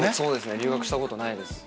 留学したことないです。